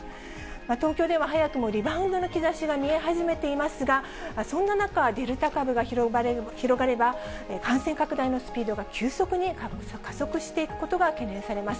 東京では早くもリバウンドの兆しが見え始めていますが、そんな中、デルタ株が広がれば、感染拡大のスピードが急速に加速していくことが懸念されます。